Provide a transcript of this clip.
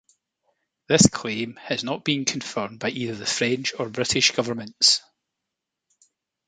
This claim has not been confirmed by either the French or British governments.